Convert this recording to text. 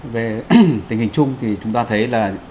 về tình hình chung thì chúng ta thấy là